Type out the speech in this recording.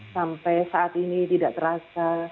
sampai saat ini tidak terasa